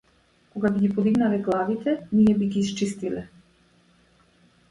Кога би ги подигнале главите, ние би ги исчистиле!